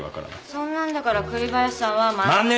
そんなんだから栗林さんは万年。